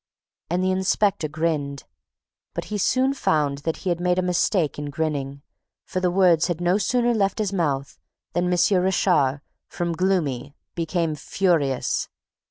And the inspector grinned. But he soon found that he had made a mistake in grinning, for the words had no sooner left his mouth than M. Richard, from gloomy, became furious.